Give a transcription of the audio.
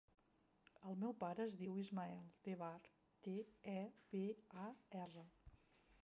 El meu pare es diu Ismael Tebar: te, e, be, a, erra.